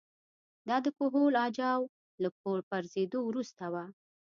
دا د کهول اجاو له پرځېدو وروسته وه